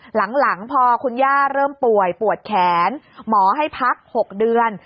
หลังพอคุณย่าเริ่มป่วยปวดแขนหมอให้พัก๖เดือน